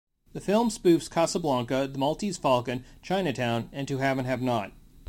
The film spoofs "Casablanca", "The Maltese Falcon", "Chinatown", and "To Have and Have Not".